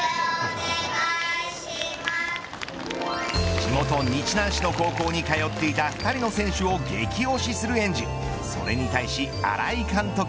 地元、日南市の高校に通っていた２人の選手を激推しする園児。